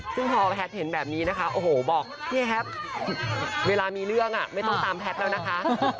ซึ่งพอแพทย์เห็นแบบนี้นะคะโอ้โหบอกเนี่ยแฮปเวลามีเรื่องไม่ต้องตามแพทย์แล้วนะคะ